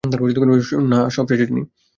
না, সব শেষ, ড্যানি!